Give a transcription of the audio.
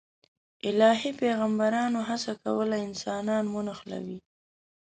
الهي پیغمبرانو هڅه کوله انسانان ونښلوي.